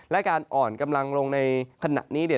และการอ่อนกำลังลงในขณะนี้